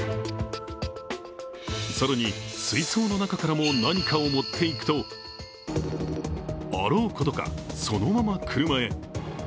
更に、水槽の中からも何かを持っていくと、あろうことか、そのまま車へ。